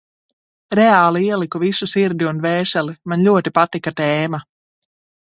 Reāli ieliku visu sirdi un dvēseli – man ļoti patika tēma.